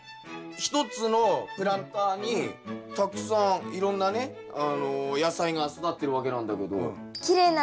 一つのプランターにたくさんいろんなね野菜が育ってるわけなんだけど。